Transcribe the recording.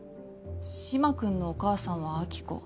嶋君のお母さんは亜希子。